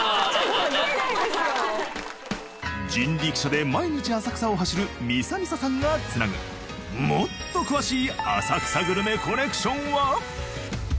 人力車で毎日浅草を走るみさみささんが繋ぐもっと詳しい浅草グルメコネクションは？